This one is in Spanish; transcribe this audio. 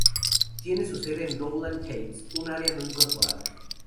Tiene su sede en Rowland Heights, un área no incorporada.